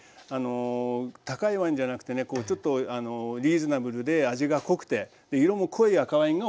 高いワインじゃなくてねちょっとリーズナブルで味が濃くて色も濃い赤ワインがおすすめです。